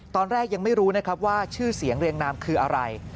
ตอนแรกยังไม่รู้นะครับว่าชื่อเสียงเรียงนามคืออะไร